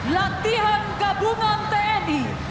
latihan gabungan tni